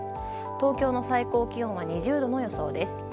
東京の最高気温は２０度の予想です。